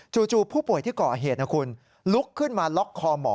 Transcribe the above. จู่ผู้ป่วยที่เกาะเหตุลุกขึ้นมาล็อคคอหมอ